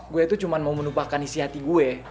gue tuh cuma mau menupakan isi hati gue